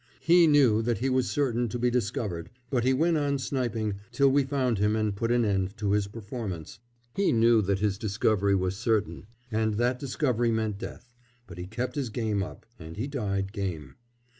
He knew that he was certain to be discovered; but he went on sniping till we found him and put an end to his performance. He knew that his discovery was certain, and that discovery meant death; but he kept his game up and he died game.